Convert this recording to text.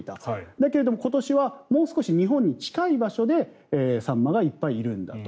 だけども、今年はもう少し日本に近い場所でサンマがいっぱいいるんだと。